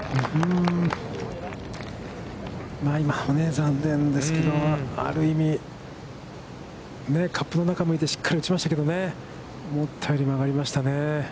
今の残念ですけど、ある意味、カップの中を向いてしっかり打ちましたけどね、思ったよりね。